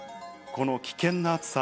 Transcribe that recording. この危険な暑さ。